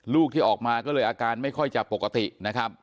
ลูกที่ออกมาก็เลยอาการไม่ค่อยจะปกตินะครับ